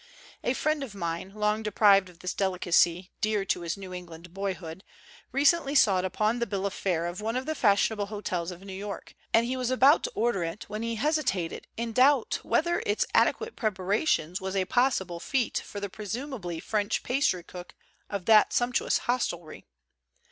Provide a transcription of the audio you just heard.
A friend of mine, long deprived of this delicacy, dear to his New England boyhood, re cently saw it upon the bill of fare of one of the fashionable hotels of New York; and he was about to order it when he hesitated in doubt whether its adequate preparation was a possible feat for the presumably French pastry cook of that sumptuous hostelry.